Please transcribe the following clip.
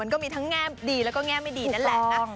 ก็มีทั้งแง่ดีแล้วก็แง่ไม่ดีนั่นแหละนะ